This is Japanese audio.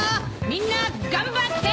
みんな頑張って！